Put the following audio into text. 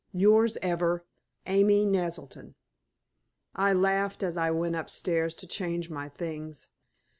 "Yours ever, "Amy Naselton." I laughed as I went upstairs to change my things.